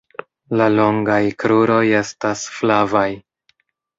La longaj kruroj estas flavaj.